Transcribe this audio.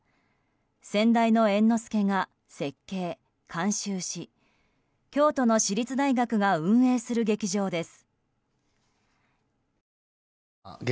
先代の猿之助が設計・監修し京都の私立大学が運営する劇場です。